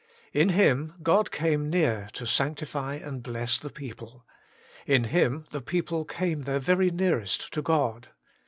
In him God came near to sanctify and bless the people. In F 82 HOLY IN CHRIST. him the people came their very nearest to God.